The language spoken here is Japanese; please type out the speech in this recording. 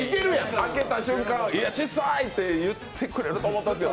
開けた瞬間、小さい！と言ってくれると思ったんですけど。